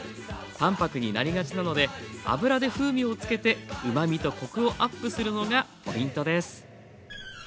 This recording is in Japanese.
淡泊になりがちなので油で風味をつけてうまみとコクをアップするのがポイントです。